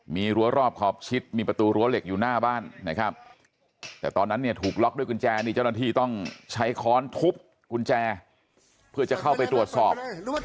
มีรั้วรอบขอบชิดมีประตูรั้วเหล็กอยู่หน้าบ้านนะครับแต่ตอนนั้นเนี่ยถูกล็อกด้วยกุญแจนี่เจ้าหน้าที่ต้องใช้ค้อนทุบกุญแจเพื่อจะเข้าไปตรวจสอบ